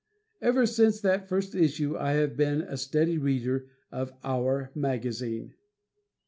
Ever since that first issue I have been a steady reader of "our" magazine.